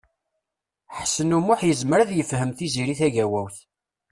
Ḥsen U Muḥ yezmer ad yefhem Tiziri Tagawawt.